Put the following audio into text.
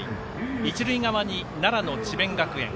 一塁側に奈良、智弁学園。